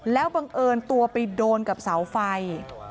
แล้วบังเอิญตัวไปโดนกับเสาไฟ